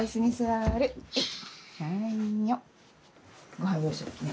ごはん用意するきね。